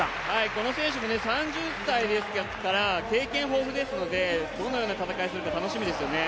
この選手も３０歳ですから経験豊富ですのでどのような戦いするか楽しみですよね。